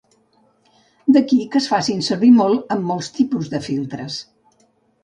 D'aquí que es facin servir molt en molts tipus de filtres.